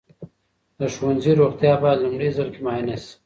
د ښوونځي روغتیا باید لومړي ځل کې معاینه سي.